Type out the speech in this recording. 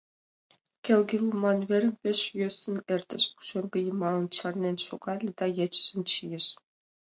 Келге луман верым пеш йӧсын эртыш, пушеҥге йымалан чарнен шогале да ечыжым чийыш.